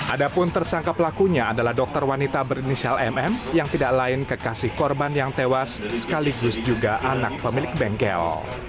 ada pun tersangka pelakunya adalah dokter wanita berinisial mm yang tidak lain kekasih korban yang tewas sekaligus juga anak pemilik bengkel